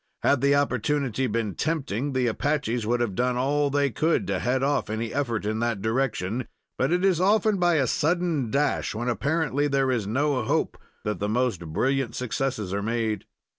Had the opportunity been tempting, the Apaches would have done all they could to head off any effort in that direction, but it is often by a sudden dash, when apparently there is no hope, that the most brilliant successes are made.